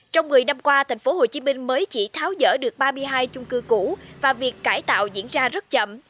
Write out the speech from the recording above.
trong một mươi năm qua thành phố hồ chí minh mới chỉ tháo dở được ba mươi hai chung cư cũ và việc cải tạo diễn ra rất chậm